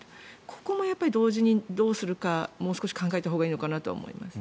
ここもやっぱり同時にどうするかもう少し考えたほうがいいかなと思います。